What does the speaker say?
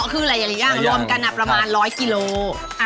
คือหลายอย่างรวมกันประมาณ๑๐๐กิโล